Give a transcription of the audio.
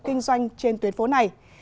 doanh doanh trên tuyến phố này